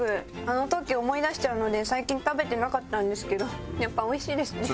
あの時を思い出しちゃうので最近食べてなかったんですけどやっぱ美味しいですね。